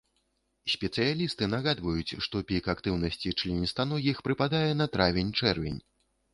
Спецыялісты нагадваюць, што пік актыўнасці членістаногіх прыпадае на травень-чэрвень.